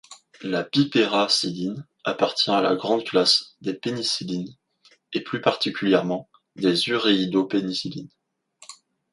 La pipéracilline appartient à la grande classe des Pénicilline et plus particulièrement des Uréidopénicillines.